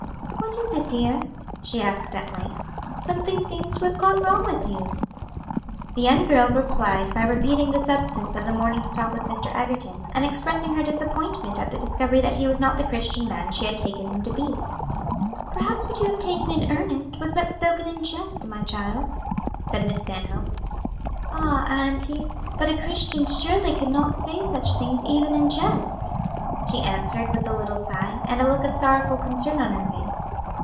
"What is it, dear?" she asked at length; "something seems to have gone wrong with you." The young girl replied by repeating the substance of the morning's talk with Mr. Egerton, and expressing her disappointment at the discovery that he was not the Christian man she had taken him to be. "Perhaps what you have taken in earnest, was but spoken in jest, my child," said Miss Stanhope. "Ah, auntie, but a Christian surely could not say such things even in jest," she answered, with a little sigh, and a look of sorrowful concern on her face.